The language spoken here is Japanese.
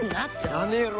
やめろ。